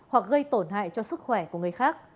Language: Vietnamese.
hoặc gây tổn hại cho sức khỏe của người khác